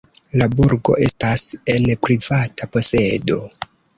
La burgo estas en privata posedo.